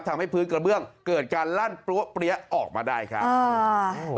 ทำให้พื้นกระเบื้องเกิดการลั่นปล้วเปรี้ยออกมาได้ครับอ่า